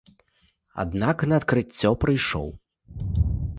Аднак на адкрыццё прыйшоў.